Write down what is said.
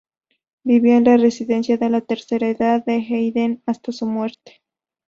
Vivió en la residencia de la tercera edad de Heiden hasta su muerte.